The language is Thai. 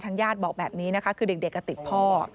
ญาติบอกแบบนี้นะคะคือเด็กก็ติดพ่อ